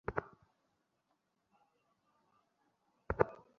আর জীবন না কাটিয়েই সব শেষ করে দিলি।